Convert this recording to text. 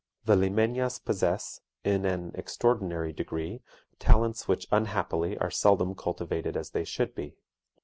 "The Limeñas possess, in an extraordinary degree, talents which unhappily are seldom cultivated as they should be.